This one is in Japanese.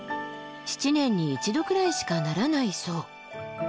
７年に一度くらいしかならないそう。